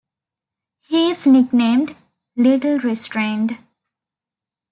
He is nicknamed "Little Restrained".